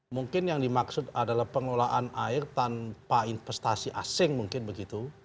mungkin yang dimaksud adalah pengelolaan air tanpa investasi asing mungkin begitu